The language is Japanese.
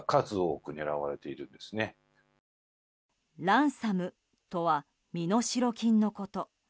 ランサムとは身代金のこと。